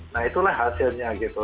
nah itulah hasilnya gitu